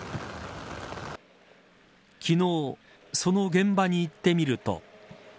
昨日その現場に行ってみると。